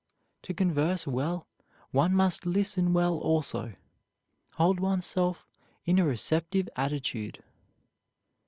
To converse well one must listen well also hold oneself in a receptive attitude.